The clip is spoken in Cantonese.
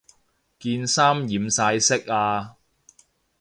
件衫染晒色呀